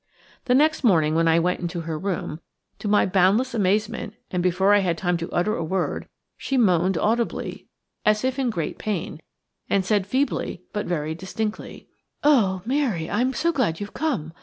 The next morning when I went into her room, to my boundless amazement–and before I had time to utter a word–she moaned audibly, as if in great pain, and said feebly, but very distinctly: "Oh, Mary! I'm so glad you've come.